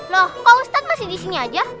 loh kalau ustadz masih di sini aja